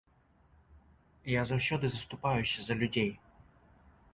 Я заўсёды заступаюся за людзей.